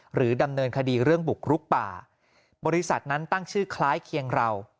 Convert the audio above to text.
หรือดำเนินคดีเรื่องบุกรุกป่าบริษัทนั้นตั้งชื่อคล้ายเคียงเรา